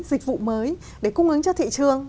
dịch vụ mới để cung ứng cho thị trường